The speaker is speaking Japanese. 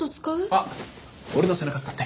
あっ俺の背中使って。